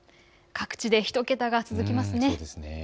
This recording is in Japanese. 各地で１桁が続きます。